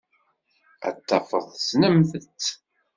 Ad tafeḍ tessnemt-tt.